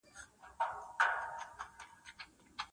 او خلکو ته ګټه رسوي.